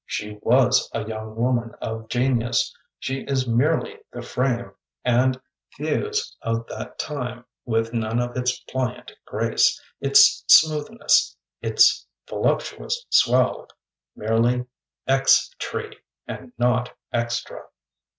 She ira« a young woman of genius — she is merely the frame and thews of that time, with none of its pliant grace, its smoothness, its voluptuous swell — (merely ex Tree, and not extra).